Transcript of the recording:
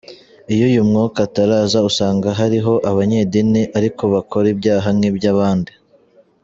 Iyo uyu Mwuka ataraza usanga hariho abanyedini ariko bakora ibyaha nk’ibyo abandi.